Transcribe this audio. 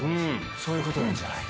そういうことなんじゃない？